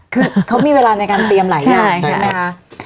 คือเขามีเวลาในการเตรียมหลายอย่างใช่ไหมคะ